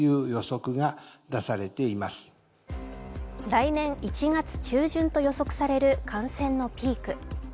来年１月中旬と予測される感染のピーク。